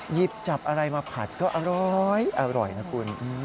หยิบจับอะไรมาผัดก็อร้อยนะคุณ